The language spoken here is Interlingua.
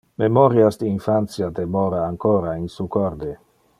Memorias de infantia demora ancora in su corde.